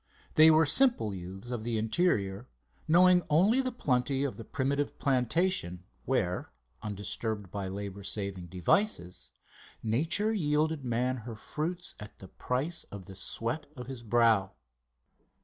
They were simple youths of the interior, knowing only the plenty of the primitive plantation where, undisturbed by labour saving devices, Nature yielded man her fruits at the price of the sweat of his brow.